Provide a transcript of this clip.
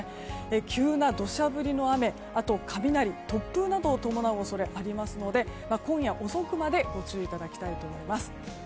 急な土砂降りの雨あと雷、突風などを伴う恐れがありますので今夜遅くまでご注意いただきたいと思います。